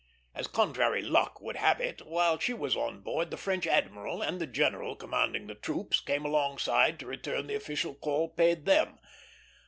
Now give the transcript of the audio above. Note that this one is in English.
As contrary luck would have it, while she was on board, the French admiral and the general commanding the troops came alongside to return the official call paid them.